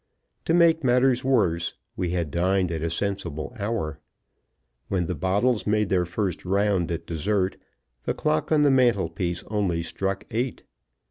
To make matters worse, we had dined at a sensible hour. When the bottles made their first round at dessert, the clock on the mantel piece only struck eight.